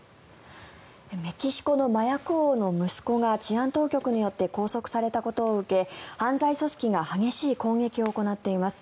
メキシコの麻薬王の息子が治安当局によって拘束されたことを受け犯罪組織が激しい攻撃を行っています。